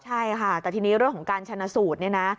ใช่ค่ะแต่ทีนี้เรื่องของการชนะสูตรเนี่ยนะ